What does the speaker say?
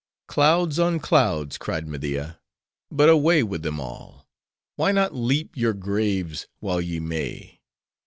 "Clouds on clouds!" cried Media, "but away with them all! Why not leap your graves, while ye may?